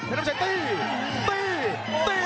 แพทย์น้องชายตีตีตี